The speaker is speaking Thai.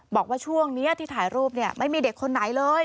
บอกว่าช่วงนี้ที่ถ่ายรูปเนี่ยไม่มีเด็กคนไหนเลย